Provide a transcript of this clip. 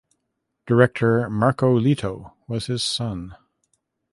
Director Marco Leto was his son.